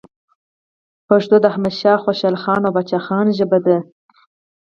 پښتو د احمد شاه خوشحالخان او پاچا خان ژبه ده.